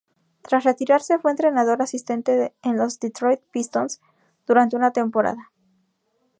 Tras retirarse, fue entrenador asistente en los Detroit Pistons durante una temporada.